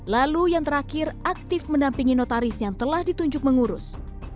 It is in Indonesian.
lalu yang terakhir aktif mendampingi notaris yang telah ditunjuk mengurus